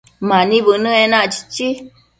Mani bënë enac, chichi